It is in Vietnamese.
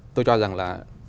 tôi cho rằng là